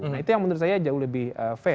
nah itu yang menurut saya jauh lebih fair